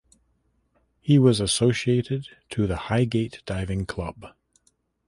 He was associated to the Highgate Diving Club.